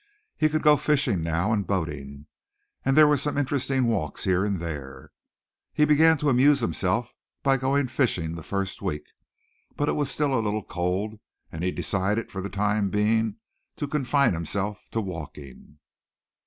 He could go fishing now and boating, and there were some interesting walks here and there. He began to amuse himself by going fishing the first week, but it was still a little cold, and he decided, for the time being, to confine himself to walking.